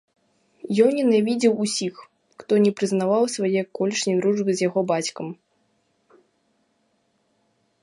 Ён ненавідзеў усіх, хто не прызнаваў свае колішняй дружбы з яго бацькам.